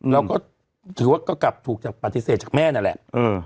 เราก็ถือว่าก็กลับถูกปฏิเสธจากแม่นั่นแหละ